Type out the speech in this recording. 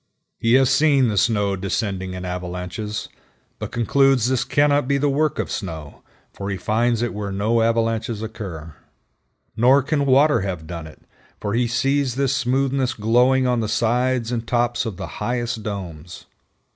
He has seen the snow descending in avalanches, but concludes this cannot be the work of snow, for he finds it where no avalanches occur. Nor can water have done it, for he sees this smoothness glowing on the sides and tops of the highest domes.